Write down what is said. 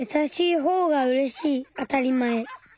あたりまえ。